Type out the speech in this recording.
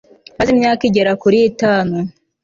maze imyaka igera kuri itatu